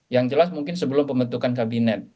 yang jelas mungkin sebelum pembentukan kabinet